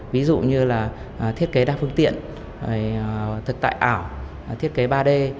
ví dụ như là thiết kế đa phương tiện thực tại ảo thiết kế ba d